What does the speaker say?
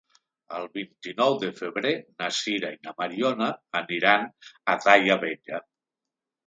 El vint-i-nou de febrer na Sira i na Mariona aniran a Daia Vella.